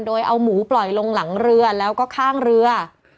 โดยเอาหมูปล่อยลงหลังเรือแล้วก็ข้างเรือ